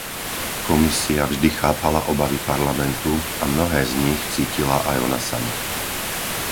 Komisia vždy chápala obavy Parlamentu a mnohé z nich cítila aj ona sama.